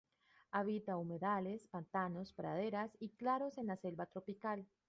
Habita humedales, pantanos, praderas y claros en la selva tropical.